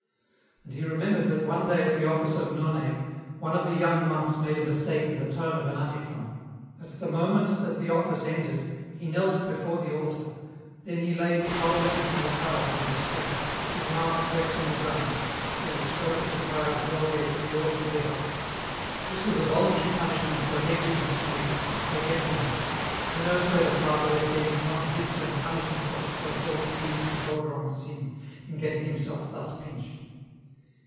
" And he remembered that one day at the office of None, one of the young monks made a mistake in the tone of an antiphon ; at the moment that the office ended, he knelt before the altar, then he lay his whole length on the tiles on his face, his mouth pressed on the ground, till the stroke of the prior's bell gave him the order to get up. This was a voluntary punishment for a negligence com mitted, a forgetfulness. Who knows whether Father Etienne did not in his turn punish himself for a thought he deemed to border on sin, in getting himself thus pinched